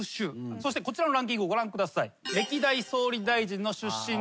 そしてこちらのランキングをご覧ください。